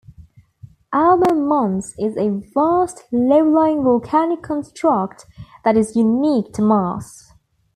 Alba Mons is a vast, low-lying volcanic construct that is unique to Mars.